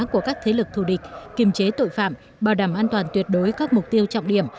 của các thế lực thù địch kiềm chế tội phạm bảo đảm an toàn tuyệt đối các mục tiêu trọng điểm